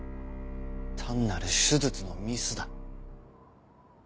単なる手術のミスだ。